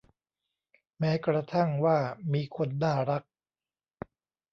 แม้กระทั่งว่ามีคนน่ารัก